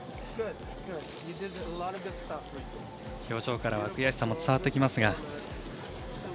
表情からは悔しさも伝わってきます。